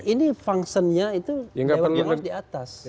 ini fungsinya itu lewat pengawas di atas